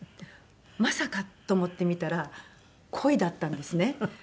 まさかと思って見たら鯉だったんですね。